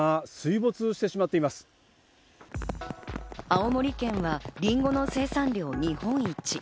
青森県はりんごの生産量日本一。